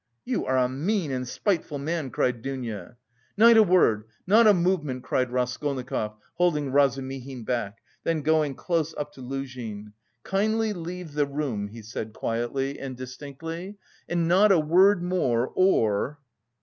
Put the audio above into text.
"You are a mean and spiteful man!" cried Dounia. "Not a word! Not a movement!" cried Raskolnikov, holding Razumihin back; then going close up to Luzhin, "Kindly leave the room!" he said quietly and distinctly, "and not a word more or..."